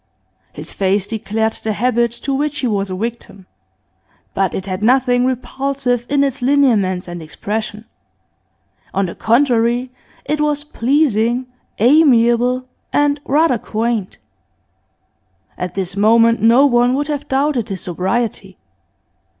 His face declared the habit to which he was a victim, but it had nothing repulsive in its lineaments and expression; on the contrary, it was pleasing, amiable, and rather quaint. At this moment no one would have doubted his sobriety.